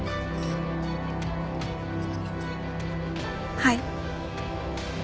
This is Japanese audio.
はい。